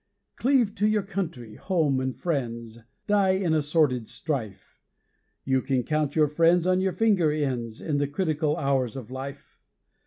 Cleave to your country, home, and friends, Die in a sordid strife You can count your friends on your finger ends In the critical hours of life.